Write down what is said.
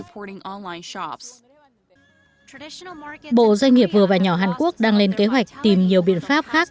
bộ doanh nghiệp vừa và nhỏ hàn quốc đang lên kế hoạch tìm nhiều biện pháp khác